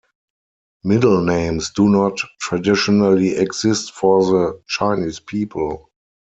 Middle names do not traditionally exist for the Chinese people.